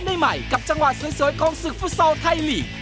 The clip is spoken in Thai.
สัปดาห์หน้ากลับมาพบกันใหม่กับจังหวะเสวยกองสี่สายฟุซอลไทยหลีก